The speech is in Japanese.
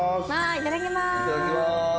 いただきます。